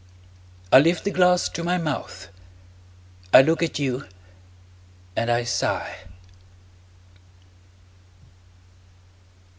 I lift the glass to my mouth, I look at you, and I sigh.